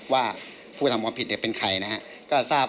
ว่าผู้กระทำความผิดเป็นใครนะครับ